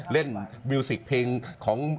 เล่นมิวสิกเพลงของ